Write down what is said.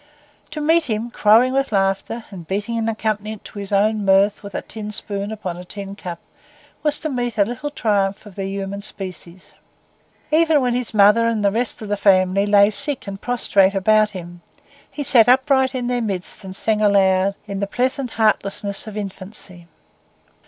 To meet him, crowing with laughter and beating an accompaniment to his own mirth with a tin spoon upon a tin cup, was to meet a little triumph of the human species. Even when his mother and the rest of his family lay sick and prostrate around him, he sat upright in their midst and sang aloud in the pleasant heartlessness of infancy.